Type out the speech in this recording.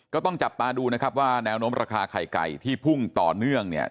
ก็ต้องจับตาดูนะครับว่าแนวโน้มราคาไข่ไก่ที่พุ่งต่อเนื่องเนี่ย